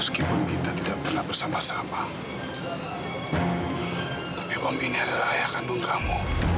kita tidak pernah bersama sama tapi om ini adalah ayah kandung kamu